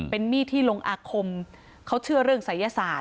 เป็นมีดที่ลงอาคมเขาเชื่อเรื่องศัยศาสต